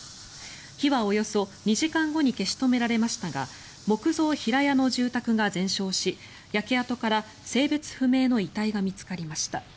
火はおよそ２時間後に消し止められましたが木造平屋の住宅が全焼し焼け跡から性別不明の遺体が見つかりました。